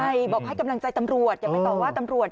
ใช่บอกให้กำลังใจตำรวจอย่าไปต่อว่าตำรวจ